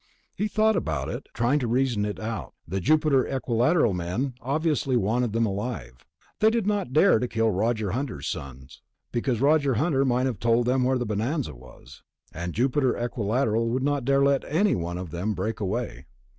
He thought about it, trying to reason it out. The Jupiter Equilateral men obviously wanted them alive. They did not dare to kill Roger Hunter's sons, because Roger Hunter might have told them where the bonanza was. And Jupiter Equilateral would not dare let anyone of them break away.